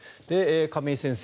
亀井先生